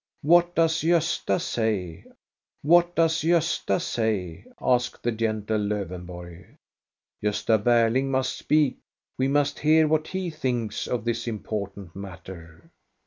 "" What does Gosta say ? what does Gosta say ?*' asks the gentle Lowenborg. " Gosta Barling must speak. We must hear what he thinks of this impor tant matter.